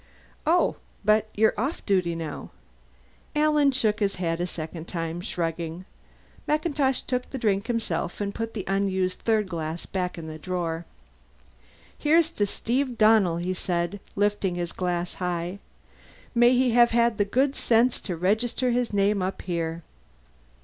"Oh, but you're off duty now!" Alan shook his head a second time; shrugging, MacIntosh took the drink himself and put the unused third glass back in the drawer. "Here's to Steve Donnell!" he said, lifting his glass high. "May he have had the good sense to register his name up here!"